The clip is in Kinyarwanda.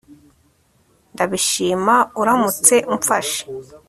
Ndabishima uramutse umfashe